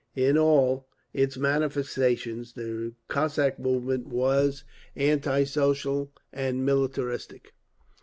In all its manifestations the Cossack movement was anti Socialist and militaristic.